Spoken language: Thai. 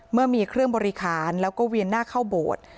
เมื่อมีเครื่องบริหารแล้วก็เวียนหน้าเข้าโบสถ์